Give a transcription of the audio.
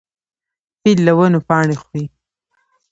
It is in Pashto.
فیل له ونو پاڼې خوري.